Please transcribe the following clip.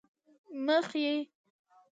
مخې،